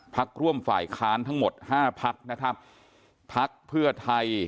พักร่วมฝ่ายค้านทั้งหมดห้าพักนะครับพักเพื่อไทย